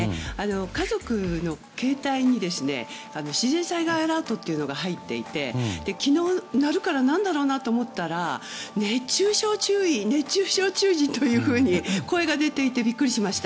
家族の携帯に自然災害アラートというのが入っていて昨日、鳴るからなんだろうと思ったら熱中症注意というふうに声が出ていてビックリしました。